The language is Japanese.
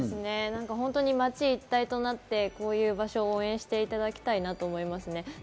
街一帯となって、こういう場所を応援していただきたいなと思います。